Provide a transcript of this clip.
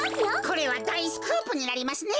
これはだいスクープになりますね。